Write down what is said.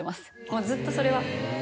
もうずっとそれは。